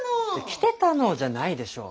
「来てたの」じゃないでしょ！